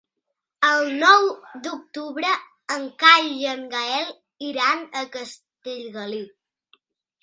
El nou d'octubre en Cai i en Gaël iran a Castellgalí.